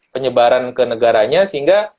penyebaran ke negaranya sehingga